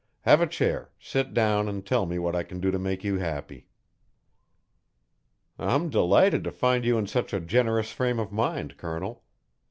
Have a chair; sit down and tell me what I can do to make you happy." "I'm delighted to find you in such a generous frame of mind, Colonel.